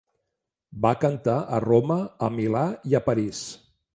Va cantar a Roma, a Milà i a París.